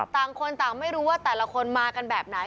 ต่างคนต่างไม่รู้ว่าแต่ละคนมากันแบบไหน